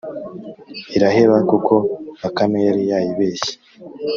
Iraheba kuko bakame yari yayibeshye